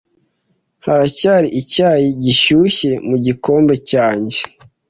Haracyari icyayi gishyushye mu gikombe cyanjye.